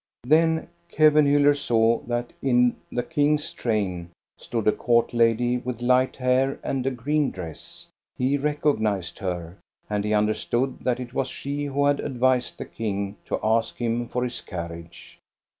Thep Kevenhuller saw that in the king's train stood a court lady with light hair and a green dress. He recognized her, and he understood that it was she who had advised the king to ask him for his carriage.